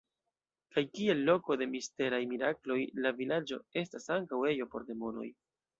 Kaj kiel loko de misteraj mirakloj la vilaĝo estas ankaŭ ejo por demonoj.